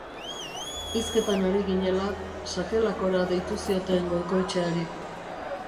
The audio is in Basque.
Hizketan ari ginela, sakelakora deitu zioten Goikoetxeari.